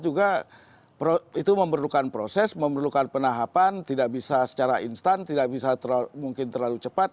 juga itu memerlukan proses memerlukan penahapan tidak bisa secara instan tidak bisa mungkin terlalu cepat